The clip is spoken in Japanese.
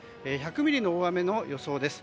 １００ミリの大雨の予想です。